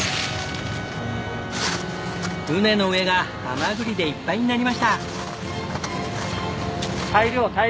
船の上がハマグリでいっぱいになりました！